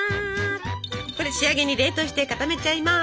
これ仕上げに冷凍して固めちゃいます。